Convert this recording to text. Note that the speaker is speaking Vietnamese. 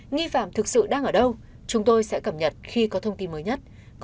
nghi phạm thực sự đang ở đâu chúng tôi sẽ cập nhật khi có thông tin mới nhất